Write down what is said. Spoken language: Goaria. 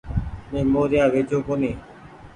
مين موريآ ويچو ڪونيٚ ۔